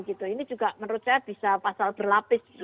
ini juga menurut saya bisa pasal berlapis